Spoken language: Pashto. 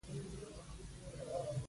ولې داسې کوو.